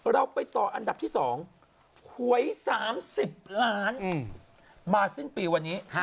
เราไปต่ออันดับที่๒หวย๓๐ล้านมาสิ้นปีวันนี้